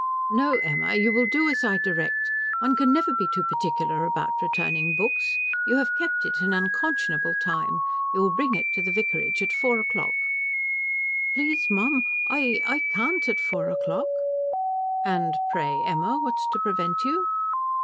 "No, Emma, you will do as I direct. One can never be too particular about returning books. You have kept it an unconscionable time. You will bring it to the vicarage at four o'clock." "Please mum, I I can't at four o'clock." "And pray, Emma, what is to prevent you?"